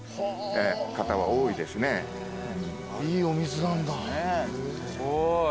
いいお水なんだ。